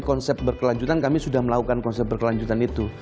konsep berkelanjutan kami sudah melakukan konsep berkelanjutan itu